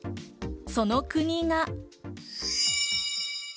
その国が。